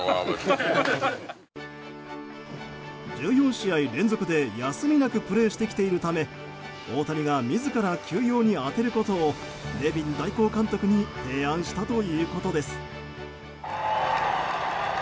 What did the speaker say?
１４試合連続で休みなくプレーしてきているため大谷が自ら休養に充てることをネビン代行監督に提案したということです。